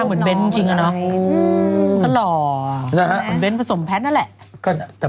หน้าเหมือนเบ้นจริงอะนะก็หล่อเหมือนเบ้นผสมแพทย์นั่นแหละ